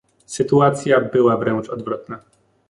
Sytuacja była wręcz odwrotna